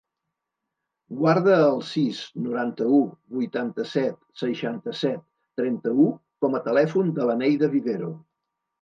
Guarda el sis, noranta-u, vuitanta-set, seixanta-set, trenta-u com a telèfon de la Neida Vivero.